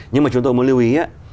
nhưng mà chúng tôi muốn lưu ý